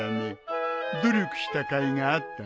努力したかいがあったね。